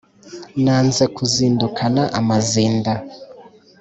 Nanze kuzindukana amazinda